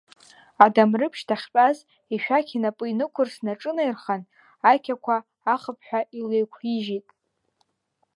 Адамрыԥшь дахьтәаз, ишәақь инапы инықәырсны аҿынаирхан, ақьақәа ахыԥҳәа илеиқәижьит.